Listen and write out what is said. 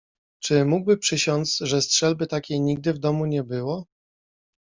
"Czy mógłby przysiąc, że strzelby takiej nigdy w domu nie było?"